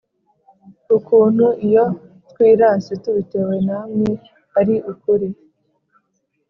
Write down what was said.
ukuntu ibyo twirase tubitewe namwe ari ukuri